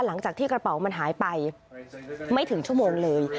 หลังจากที่กระเป๋ามันหายไปไม่ถึงชั่วโมงเลย